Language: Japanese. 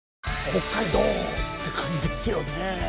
北海道！って感じですよねえ。